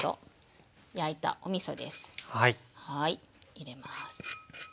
入れます。